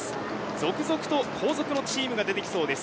続々と後続のチームが出てきます。